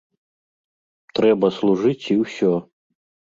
Трэба служыць і ўсё!